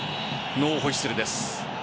ノーホイッスルです。